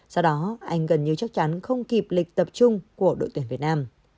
sau đó anh gần như chắc chắn không kịp lịch tập trung của đội tuyển việt nam